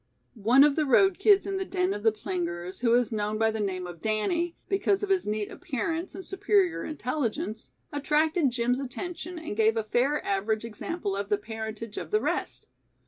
One of the road kids in the den of the plingers, who was known by the name of "Danny" because of his neat appearance and superior intelligence, attracted Jim's attention and gave a fair average example of the parentage of the rest.